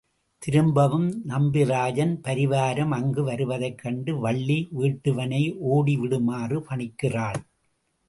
திரும்பவும் நம்பிராஜன் பரிவாரம் அங்கு வருவதைக் கண்டு வள்ளி வேட்டுவனை ஓடிவிடுமாறு பணிக்கிறாள்.